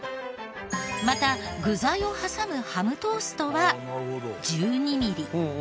また具材を挟むハムトーストは１２ミリ。